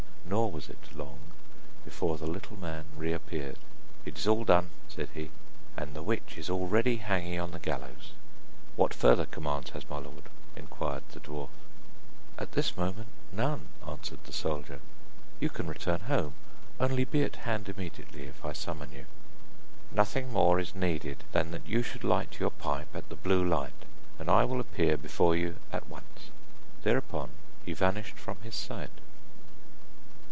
Nor was it long before the little man reappeared. 'It is all done,' said he, 'and the witch is already hanging on the gallows. What further commands has my lord?' inquired the dwarf. 'At this moment, none,' answered the soldier; 'you can return home, only be at hand immediately, if I summon you.' 'Nothing more is needed than that you should light your pipe at the blue light, and I will appear before you at once.' Thereupon he vanished from his sight.